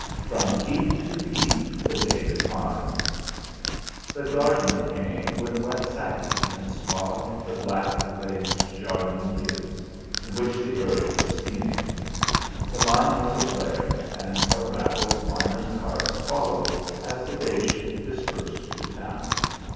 "From heat to heat the day declined." The gardener came with wet sacking and swathed the black glazed jardinières, in which the earth was steaming. The mine whistle blared, and a rattle of miners' carts followed, as the day shift dispersed to town.